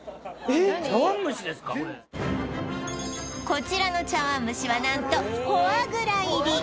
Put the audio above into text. こちらの茶碗蒸しは何とフォアグラ入り